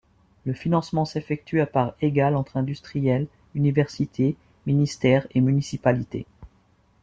Le financement s'effectue à parts égales entre industriels, université, ministère et municipalité.